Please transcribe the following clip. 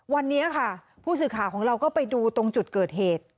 วันนี้ค่ะผู้สื่อข่าวของเราก็ไปดูตรงจุดเกิดเหตุ